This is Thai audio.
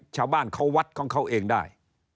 ชาวบ้านเขาวัดของเขาเองได้